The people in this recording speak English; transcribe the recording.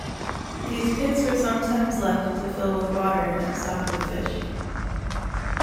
These pits were sometimes left to fill with water and stocked with fish.